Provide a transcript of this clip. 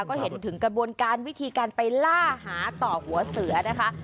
ก็เห็นถึงกระบวนการวิธีการไปล่าหาต่อหัวเสือนะคะ